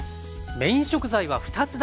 メイン食材は２つだけ。